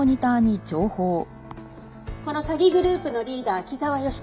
この詐欺グループのリーダー木沢義輝